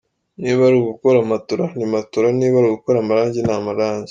Niba ari ugukora matola ni matola niba ari ugukora amarangi ni amarangi.